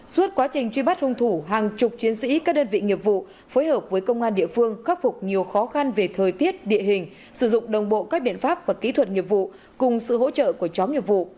suốt quá trình truy bắt hung thủ hàng chục chiến sĩ các đơn vị nghiệp vụ phối hợp với công an địa phương khắc phục nhiều khó khăn về thời tiết địa hình sử dụng đồng bộ các biện pháp và kỹ thuật nghiệp vụ cùng sự hỗ trợ của chó nghiệp vụ